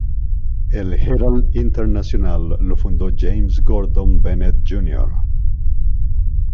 El "Herald" internacional lo fundó James Gordon Bennett, Jr.